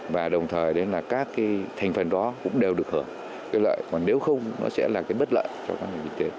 và đồng thời các thành phần đó cũng đều được hưởng cái lợi còn nếu không nó sẽ là cái bất lợi cho các nền kinh tế